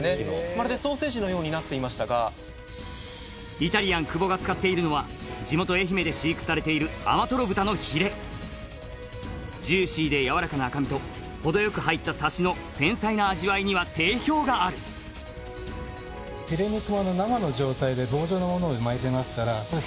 まるでソーセージのようになっていましたがイタリアン久保が使っているのは地元愛媛で飼育されている甘とろ豚のヒレジューシーで軟らかな赤身とほどよく入ったサシの繊細な味わいには定評があるいやー